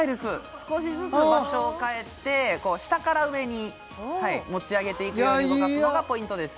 少しずつ場所を変えて下から上に持ち上げていくように動かすのがポイントです